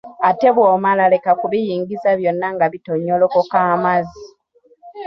Ate bw‘omala leka kubiyingiza byonna nga bitonyolokoka amazzi.